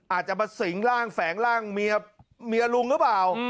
อาจจะมาสิงร่างแฝงร่างเมียลุงหรือเปล่า